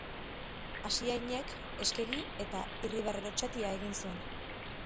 Asiainek eskegi eta irribarre lotsatia egin zuen.